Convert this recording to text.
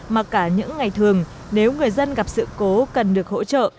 mà cả những ngày thường nếu người dân gặp sự cố cần được hỗ trợ